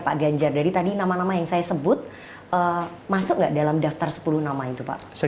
pak ganjar dari tadi nama nama yang saya sebut masuk nggak dalam daftar sepuluh nama itu pak